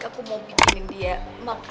aku mau bikinin dia